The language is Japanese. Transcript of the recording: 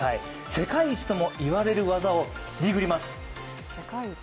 世界一とも言われる技をＤＩＧります。